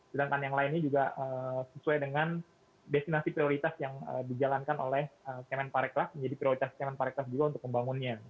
sedangkan yang lainnya juga sesuai dengan destinasi prioritas yang dijalankan oleh kemenpareklas menjadi prioritas kemenpareklas juga untuk pembangunnya